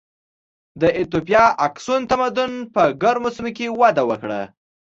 د ایتوپیا اکسوم تمدن په ګرمو سیمو کې وده وکړه.